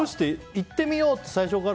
行ってみようって、最初から？